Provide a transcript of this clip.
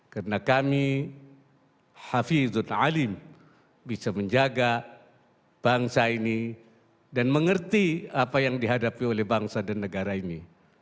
karena kami hafizun alim bisa menjaga bangsa ini dan mengerti apa yang dihadapi oleh bangsa dan negara ini